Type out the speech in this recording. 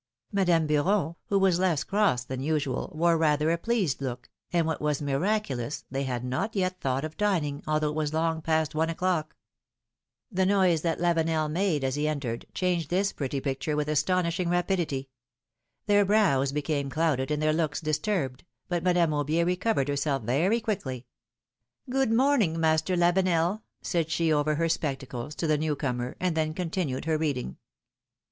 Madame Beuron, who was less cross than usual, wore rather a pleased look, and what was miraculous, they had not yet thought of dining, although it was long past one o'clock. philom^:ne's mareiages. 305 The noise that Lavenel made as he entered changed this pretty picture with astonishing rapidity; their brows became clouded and their looks disturbed, but Madame Aubier recovered herself very quickly. Good morning, Master Lavenel,^^ said she over her spectacles to the new comer, and then continued her reading.